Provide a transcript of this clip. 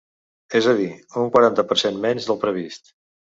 És a dir, un quaranta per cent menys del previst.